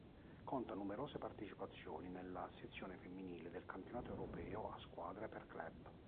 Conta numerose partecipazioni nella sezione femminile del Campionato europeo a squadre per club.